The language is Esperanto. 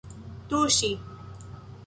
tuŝi